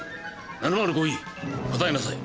７０５Ｅ答えなさい。